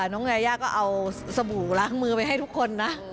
น้องยายาก็เอาสบู่ล้างมือไปให้ทุกคนนะ